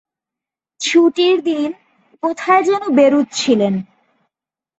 ছুটির দিন, কোথায় যেন বেরুচ্ছিলেন।